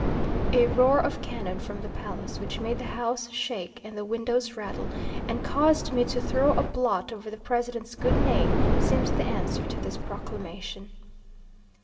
A roar of cannon from the Palace, which made the house shake and the windows rattle, and caused me to throw a blot over the President's good name, seems the answer to this proclamation.